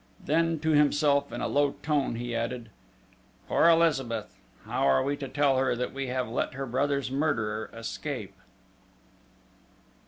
Then, to himself in a low tone, he added: "Poor Elizabeth!... How are we to tell her that we have let her brother's murderer escape?"